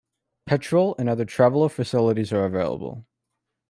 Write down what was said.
Petrol and other traveller facilities are available.